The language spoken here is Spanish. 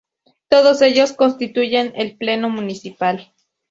Todos ellos constituyen el Pleno Municipal.